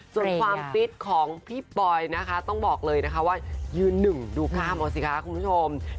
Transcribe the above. ส่วนความฟิตของพี่ปอยนะคะต้องบอกเลยนะคะว่ายืนหนึ่งดูกล้ามเอาสิคะคุณผู้ชม